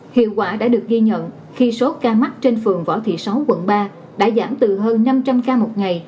hiệu quả đã được ghi nhận khi số ca mắc trên phường võ thị sáu quận ba đã giảm từ hơn năm trăm linh ca một ngày